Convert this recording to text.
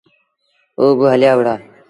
او با هليآ وُهڙآ۔